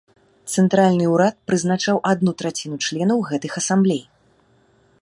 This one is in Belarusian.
Цэнтральны ўрад прызначаў адну траціну членаў гэтых асамблей.